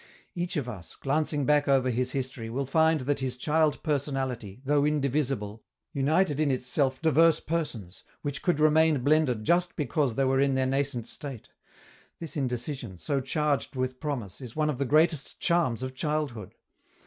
Each of us, glancing back over his history, will find that his child personality, though indivisible, united in itself divers persons, which could remain blended just because they were in their nascent state: this indecision, so charged with promise, is one of the greatest charms of childhood.